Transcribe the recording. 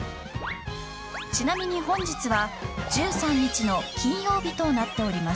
ちなみに本日は１３日の金曜日となっております。